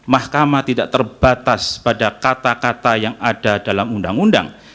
mahkamah tidak terbatas pada kata kata yang ada dalam undang undang